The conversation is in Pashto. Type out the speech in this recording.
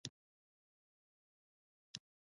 د نجونو تعلیم د کورنۍ اقتصاد ښه کولو لاره ده.